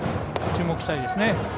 注目したいですね。